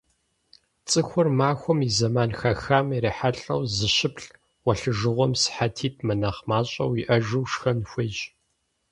ЦӀыхур махуэм и зэман хэхахэм ирихьэлӀэу зыщыплӏ, гъуэлъыжыгъуэм сыхьэтитӏ мынэхъ мащӀэу иӀэжу, шхэн хуейщ.